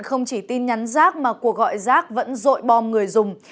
không chỉ tin nhắn rác mà cuộc gọi rác vẫn dội bom người dùng